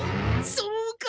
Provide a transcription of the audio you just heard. そうか！